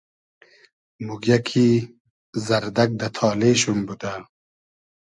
موگیۂ کی زئردئگ دۂ تالې شوم بودۂ